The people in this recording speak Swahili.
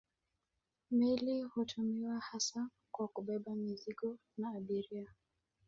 Meli hutumiwa hasa kwa kubeba mizigo na abiria.